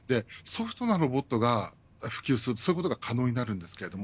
ソフトなロボットが普及するとこういうことが可能になります。